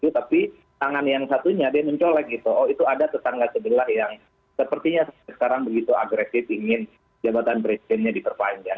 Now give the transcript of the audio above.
tapi tangan yang satunya dia mencolek gitu oh itu ada tetangga sebelah yang sepertinya sekarang begitu agresif ingin jabatan presidennya diperpanjang